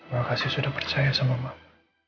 terima kasih sudah percaya sama mama